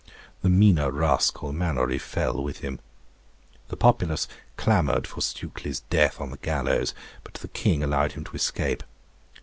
The meaner rascal, Mannourie, fell with him. The populace clamoured for Stukely's death on the gallows, but the King allowed him to escape.